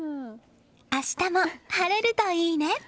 明日も晴れるといいね！